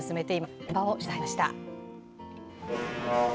現場を取材しました。